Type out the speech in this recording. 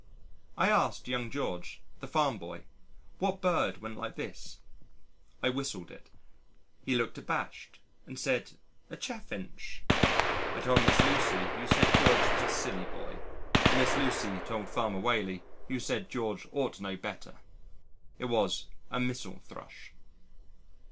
I asked young George, the farm boy, what bird went like this: I whistled it. He looked abashed and said a Chaffinch. I told Miss Lucy who said George was a silly boy, and Miss Lucy told Farmer Whaley who said George ought to know better it was a Mistle Thrush.